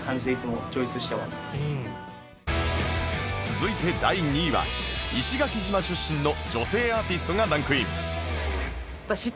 続いて第２位は石垣島出身の女性アーティストがランクイン